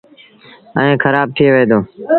ائيٚݩ کرآب ٿئي وهي دو۔